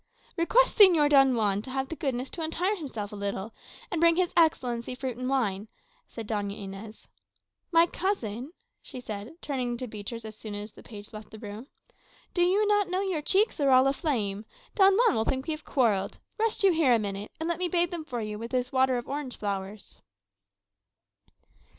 "Request Señor Don Juan to have the goodness to untire himself a little, and bring his Excellency fruit and wine," added Doña Inez. "My cousin," she said, turning to Beatriz as soon as the page left the room, "do you not know your cheeks are all aflame? Don Juan will think we have quarrelled. Rest you here a minute, and let me bathe them for you with this water of orange flowers."